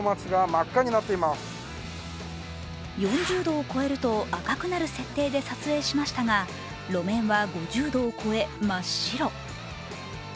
４０度を超えると赤くなる設定で撮影しましたが、路面は５０度を超え、真っ白。